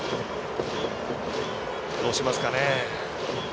どうしますかね。